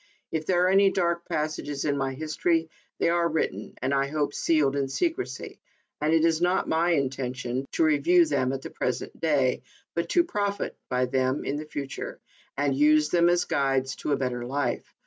If there are any dark pages in my history, they are written, and, I hope, sealed in secrecy, and it is not my intention to review them at the present day, but to profit by them in future, and use them as guides to a better life.